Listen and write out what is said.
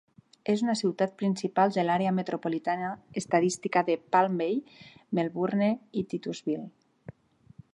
És una ciutat principal de l'àrea metropolitana estadística de Palm Bay-Melbourne-Titusville.